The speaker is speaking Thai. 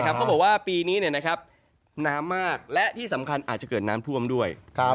เขาบอกว่าปีนี้น้ำมากและที่สำคัญอาจจะเกิดน้ำท่วมด้วย